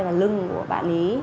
và lưng của bạn ấy